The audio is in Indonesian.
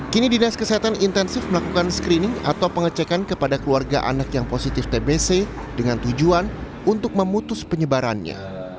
kini dinas kesehatan intensif melakukan screening atau pengecekan kepada keluarga anak yang positif tbc dengan tujuan untuk memutus penyebarannya